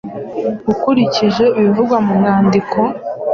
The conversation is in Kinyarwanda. ukurikije ibivugwa mu mwandiko.